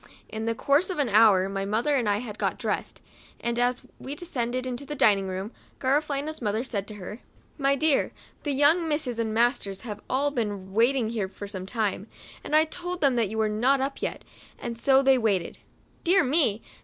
In the course of an hour my mother and I had got dressed, and as we descended to the dining room, Gara felina's mother said to her, " My clear, the young misses and masters have all been waiting here some time, and I told them that you were not up yet, and so they waited." " Dear me